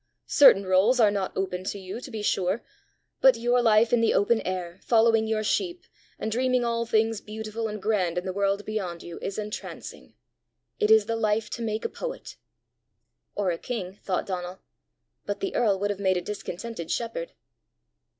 Certain rôles are not open to you, to be sure; but your life in the open air, following your sheep, and dreaming all things beautiful and grand in the world beyond you, is entrancing. It is the life to make a poet!" "Or a king!" thought Donal. "But the earl would have made a discontented shepherd!"